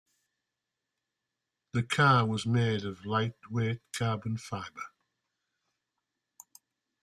The car was made of lightweight Carbon Fibre.